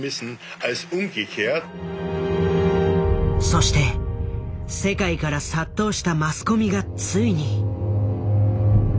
そして世界から殺到したマスコミがついに。